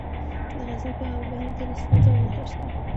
د غزني په اب بند کې د سرو زرو نښې شته.